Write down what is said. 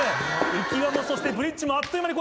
浮輪もそしてブリッジもあっという間に越えて。